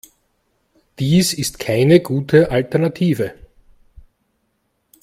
Dies ist keine gute Alternative.